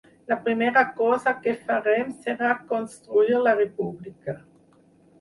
La primera cosa que farem serà construir la república.